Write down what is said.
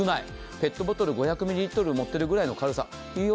ペットボトル５００ミリリットル持ってるぐらいの軽さ。